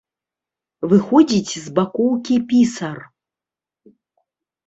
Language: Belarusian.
Выходзіць з бакоўкі пісар.